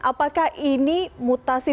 apakah ini mutasi